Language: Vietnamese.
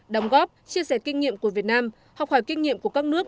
đóng góp chia sẻ kinh nghiệm của việt nam học hỏi kinh nghiệm của các nước